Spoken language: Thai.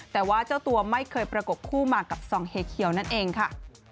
แต่ว่าเจ้าตัวไม่เคยประกบคู่มากับซองเฮเคียวนั่นเองค่ะ